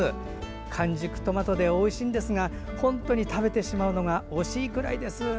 完熟トマトでおいしいんですが本当に食べてしまうのが惜しいくらいです。